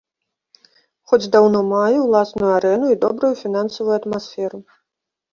Хоць даўно мае ўласную арэну і добрую фінансавую атмасферу.